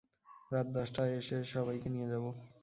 রাত দশটায় এসে সবাইকে নিয়ে যাব।